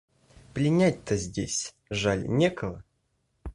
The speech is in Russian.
Пленять-то здесь, жаль, некого.